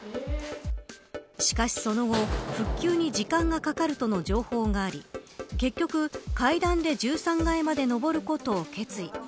しかし、その後、復旧に時間がかかるとの情報があり結局、階段で１３階まで登ることを決意。